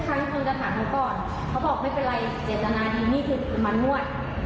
ใช่ใช่ทุกครั้งต้องจะถามก่อนเขาบอกไม่เป็นไรเจตนาดีนี่คือมันมวด